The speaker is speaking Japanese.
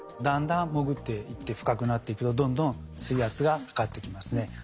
だんだん潜っていって深くなっていくとどんどん水圧がかかってきますね。